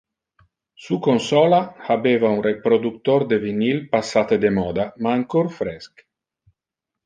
Su consola habeva un reproductor de vinyl passate de moda ma ancora fresc.